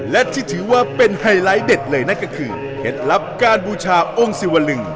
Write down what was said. และที่ถือว่าเป็นไฮไลท์เด็ดเลยนั่นก็คือเคล็ดลับการบูชาองค์สิวลึง